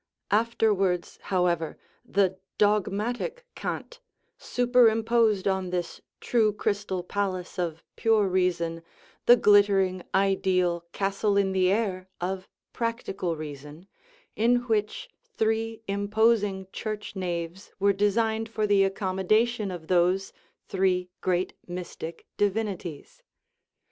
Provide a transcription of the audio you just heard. Afterwards, however, the "dogmatic Kant" superimposed on this true crystal palace of pure reason the glittering, ideal castle in the air of practical reason, in which three imposing church naves were designed for the accommodation of those three great mystic divinities.